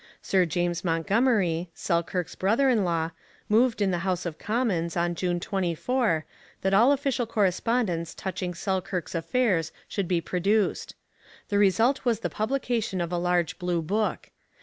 Sir James Montgomery, Selkirk's brother in law, moved in the House of Commons, on June 24, that all official correspondence touching Selkirk's affairs should be produced. The result was the publication of a large blue book.